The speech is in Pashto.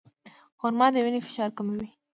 خرما د وینې فشار کموي.